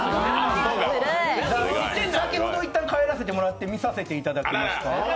さきほどいったん帰らせてもらって見させてもらいました。